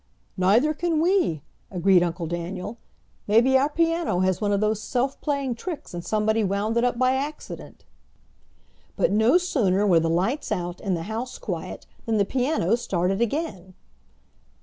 "Neither can we!" agreed Uncle Daniel. "Maybe our piano has one of those self playing tricks, and somebody wound it up by accident." But no sooner were the lights out and the house quiet than the piano started again.